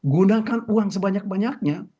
gunakan uang sebanyak banyaknya